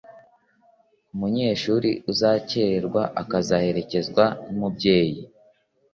umunyeshuri uzakererwa akazaherekezwa n’umubyeyi